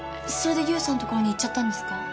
それで優さんのところに行っちゃったんですか？